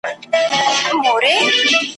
چي د مرګ دام ته لوېدلې وه بېځایه ..